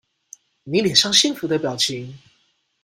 妳臉上幸福的表情